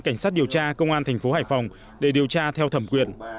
cảnh sát điều tra công an thành phố hải phòng để điều tra theo thẩm quyền